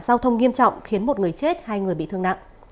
giao thông nghiêm trọng khiến một người chết hai người bị thương nặng